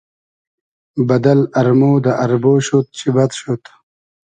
بئدئل ارمۉ دۂ اربۉ شود چی بئد شود